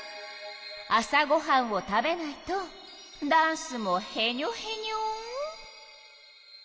朝ごはんを食べないとダンスもヘニョヘニョ。